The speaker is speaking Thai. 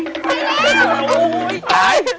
สวิมพุอ้อโอ้ยตาย